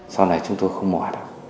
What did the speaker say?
sau này chúng tôi không mỏi được